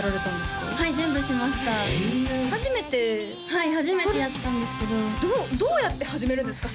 はい初めてやったんですけどどうやって始めるんですか？